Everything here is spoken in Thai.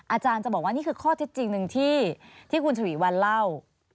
อาจารย์จะบอกว่านี่คือข้อเท็จจริงหนึ่งที่คุณฉวีวันเล่า